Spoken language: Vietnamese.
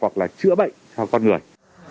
hoặc là chữa bệnh cho con người